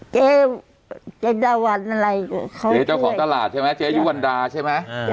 เจ๊เจ๊ดาวันอะไรอยู่เขาเจ๊เจ้าของตลาดใช่ไหมเจ๊ยุวันดาใช่ไหม